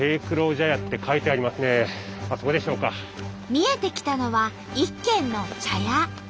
見えてきたのは一軒の茶屋。